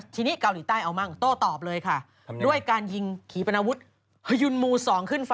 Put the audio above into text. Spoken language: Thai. ทีนี้เกาหลีใต้เอามั่งโต้ตอบเลยค่ะด้วยการยิงขี่ปนาวุฒิฮยุนมู๒ขึ้น๓